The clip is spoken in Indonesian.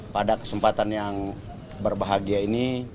pada kesempatan yang berbahagia ini